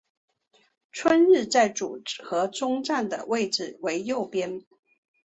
春日在组合中站的位置为右边。